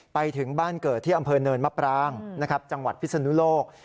ไปถึงบ้านเกิดที่อำเภอเนินมะปรางนะครับจังหวัดพิศนุโลก